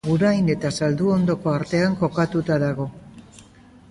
Agurain eta Zalduondo artean kokatuta dago.